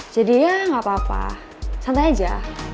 jadi ya gak apa apa santai aja